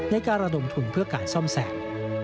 ในการระดมทุนเพื่อการซ่อมแซม